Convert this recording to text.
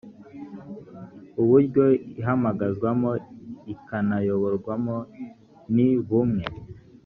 uburyo ihamagazwamo ikanayoborwamo ni bumwe